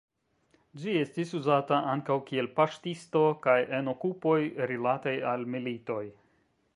Ĝi estis uzata ankaŭ kiel paŝtisto kaj en okupoj rilataj al militoj.